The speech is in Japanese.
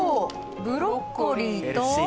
ブロッコリーと？